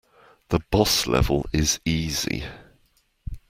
The boss level is easy.